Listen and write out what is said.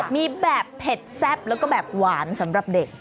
มีแบบเผ็ดแซ่บแล้วก็แบบหวานสำหรับเด็ก